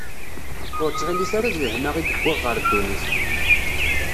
Ur ttɣilit ara d lehna i d-wwiɣ ɣer ddunit.